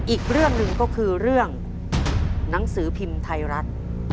อีกเรื่องหนึ่งก็คือเรื่องหนังสือพิมพ์ไทยรัฐ